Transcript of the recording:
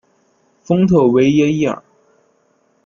丰特维耶伊尔。